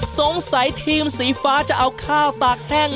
ทีมสีฟ้าจะเอาข้าวตากแห้ง